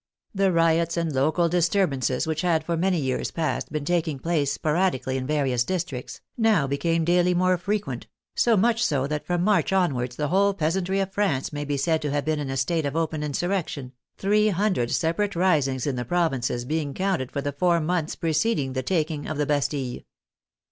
The riots and local dis turbances which had for many years past been taking place sporadically in various districts, now became daily more frequent, so much so that from March onwards the whole peasantry of France may be said to have been in a state of open insurrection, three hundred separate ris ings in the provinces being counted for the four months preceding the taking of the Bastille.